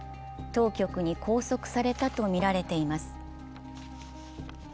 当局に拘束されたとみられています。